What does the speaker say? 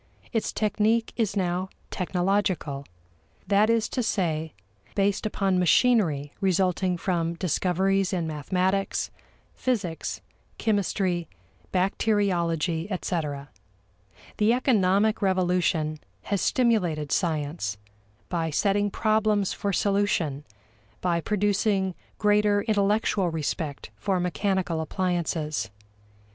Its technique is now technological: that is to say, based upon machinery resulting from discoveries in mathematics, physics, chemistry, bacteriology, etc. The economic revolution has stimulated science by setting problems for solution, by producing greater intellectual respect for mechanical appliances.